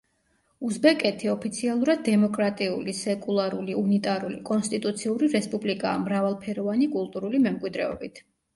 უზბეკეთი ოფიციალურად დემოკრატიული, სეკულარული, უნიტარული, კონსტიტუციური რესპუბლიკაა მრავალფეროვანი კულტურული მემკვიდრეობით.